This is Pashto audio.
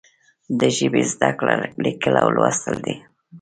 د ژبې زده کړه لیکل او لوستل دي.